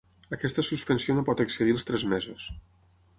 Aquesta suspensió no pot excedir els tres mesos.